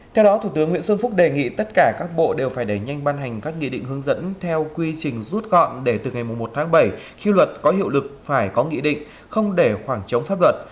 theo đó thủ tướng nguyễn xuân phúc đề nghị tất cả các bộ đều phải đẩy nhanh ban hành các nghị định hướng dẫn theo quy trình rút gọn để từ ngày một tháng bảy khi luật có hiệu lực phải có nghị định không để khoảng trống pháp luật